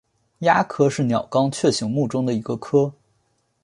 鸦科在是鸟纲雀形目中的一个科。